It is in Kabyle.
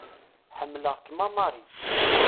Ḥemmelɣ-kem a Marie.